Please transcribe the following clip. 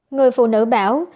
người phụ nữ bảo